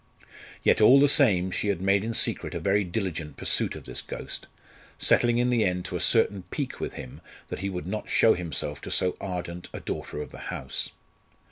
Yet all the same she had made in secret a very diligent pursuit of this ghost, settling in the end to a certain pique with him that he would not show himself to so ardent a daughter of the house.